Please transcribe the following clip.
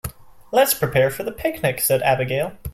"Let's prepare for the picnic!", said Abigail.